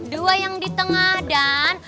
dua yang di tengah dan